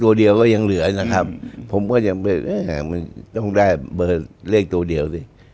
ตัวเดียวก็ยังเหลือนะครับผมก็ยังต้องได้เบอร์เลขตัวเดียวสิ